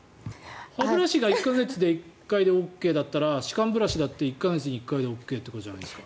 歯ブラシが１か月で１回でＯＫだったら歯間ブラシだって１か月に１回でＯＫじゃないんですか？